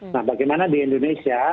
nah bagaimana di indonesia